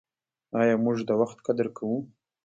آیا موږ د وخت قدر کوو؟